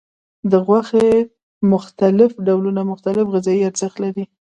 د غوښې مختلف ډولونه مختلف غذایي ارزښت لري.